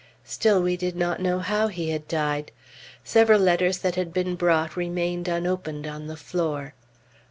Still we did not know how he had died. Several letters that had been brought remained unopened on the floor.